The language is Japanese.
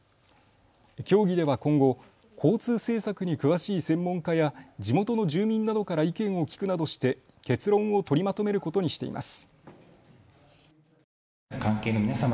協議では今後、交通政策に詳しい専門家や地元の住民などから意見を聞くなどして結論を取りまとめることにしています。